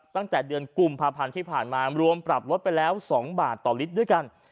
ตั้งแต่เดือนกุมภาพันธ์ที่ผ่านมารวมปรับลดไปแล้ว๒บาทต่อลิตรด้วยกัน